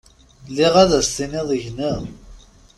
Lliɣ ad s-tiniḍ gneɣ.